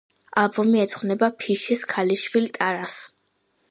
ალბომი ეძღვნება ფიშის ქალიშვილ ტარას.